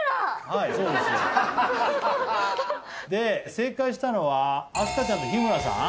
正解したのは飛鳥ちゃんと日村さん。